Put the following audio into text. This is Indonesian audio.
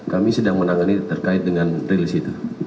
kami sedang menangani terkait dengan rilis itu